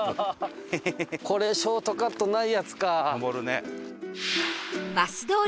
これショートカットないやつか。